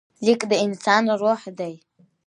لیک د انسان روح دی.